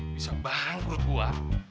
bisa bangkrut gua